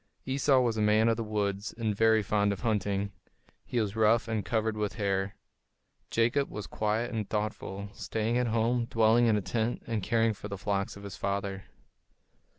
Esau was a man of the woods and very fond of hunting; and he was rough and covered with hair. Jacob was quiet and thoughtful, staying at home, dwelling in a tent, and caring for the flocks of his father.